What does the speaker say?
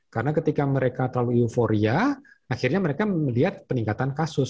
karena ketika mereka terlalu euforia akhirnya mereka melihat peningkatan kasus